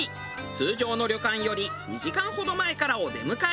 通常の旅館より２時間ほど前からお出迎え。